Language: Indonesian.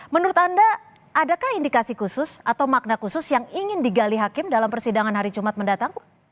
menurut anda adakah indikasi khusus atau makna khusus yang ingin digali hakim dalam persidangan hari jumat mendatang